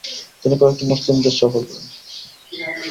তিনি কয়েকটি মুসলিম দেশ সফর করেন।